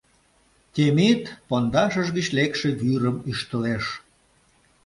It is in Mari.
Темит пондашыж гыч лекше вӱрым ӱштылеш.